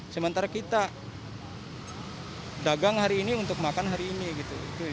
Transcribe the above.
sementara kita dagang hari ini untuk makan hari ini gitu